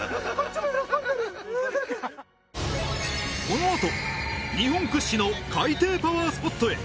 このあと日本屈指の海底パワースポットへ！